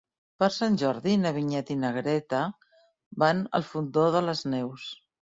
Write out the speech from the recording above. Per Sant Jordi na Vinyet i na Greta van al Fondó de les Neus.